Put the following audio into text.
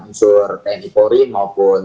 unsur tni polri maupun